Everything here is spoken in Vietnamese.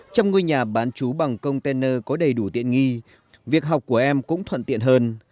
trong ngôi nhà bán chú bằng container có đầy đủ tiện nghi việc học của em cũng thuận tiện hơn